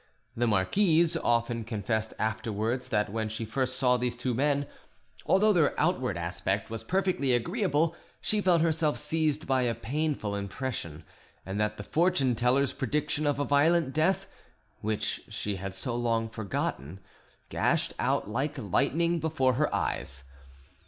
The marquise often confessed afterwards that when she first saw these two men, although their outward aspect was perfectly agreeable, she felt herself seized by a painful impression, and that the fortune teller's prediction of a violent death, which she had so long forgotten, gashed out like lightning before her eyes.